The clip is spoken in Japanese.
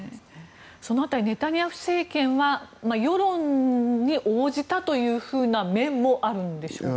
その辺りネタニヤフ政権は世論に応じたというふうな面もあるんでしょうか。